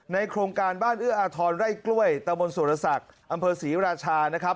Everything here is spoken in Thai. โครงการบ้านเอื้ออาทรไร่กล้วยตะบนสุรศักดิ์อำเภอศรีราชานะครับ